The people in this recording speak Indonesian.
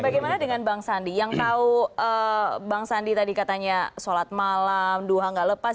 bagaimana dengan bang sandi yang tahu bang sandi tadi katanya sholat malam duha gak lepas